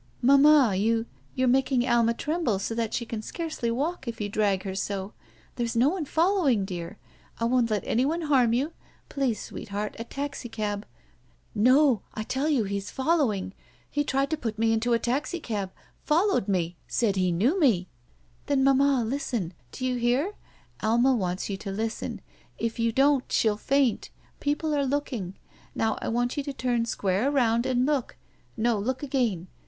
"Mamma, you — you're making Alma tremble so that she can scarcely walk if you drag her so. There's no one following, dear. I won't let anyone harm you. Please, sweetheart — a taxicab." "No. I tell you he's following. He tried to put me into a taxicab. Followed me. Said he knew me* "Then, mamma, listen. Do you hear? Alma wants you to listen. K you don't — she'll faint. People are looking. Now I want you to turn square around and look. No, look again.